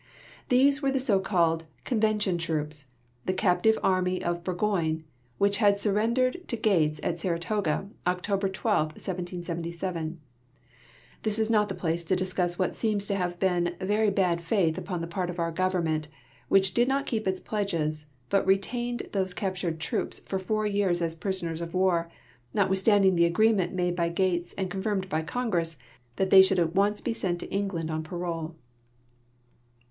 These Avere the so called "Convention troops," the captive army of Burgoyne, Avhich had surrendered to Gates at Saratoga, October 12, 1777. This is not the ])lace to discuss Avhat seems to have been very had faith u[)on the part of our government, Avhich did not keep its ])ledges, hut retained these cai>tured troops for four A'ears as })risoners of Avar, notAvithstanding the agreement made by Gates and confirmed by Congress, that theA" should at once be sent to England on ])arole.